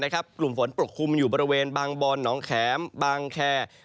กลุ่มฝนปกคลุมอยู่บริเวณบางบอนหนองแข็มบางแคร์